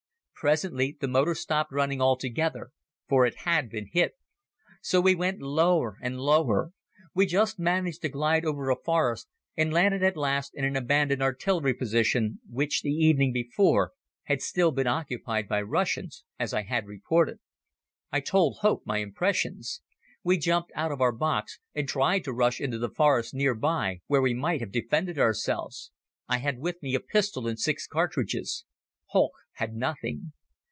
Presently the motor stopped running altogether, for it had been hit. So we went lower and lower. We just managed to glide over a forest and landed at last in an abandoned artillery position which, the evening before, had still been occupied by Russians, as I had reported. I told Holck my impressions. We jumped out of our box and tried to rush into the forest nearby, where we might have defended ourselves. I had with me a pistol and six cartridges. Holck had nothing.